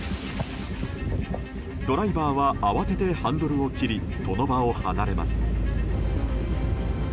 ドライバーは慌ててハンドルを切りその場を離れます。